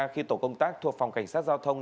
khi tổ công tác thuộc phòng cảnh sát giao thông